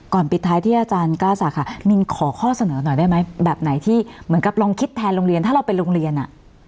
ปิดท้ายที่อาจารย์กล้าศักดิ์ค่ะมินขอข้อเสนอหน่อยได้ไหมแบบไหนที่เหมือนกับลองคิดแทนโรงเรียนถ้าเราเป็นโรงเรียนอ่ะ